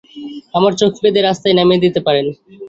আমার চোখ বেঁধে রাস্তায় নামিয়ে দিতে পারেন।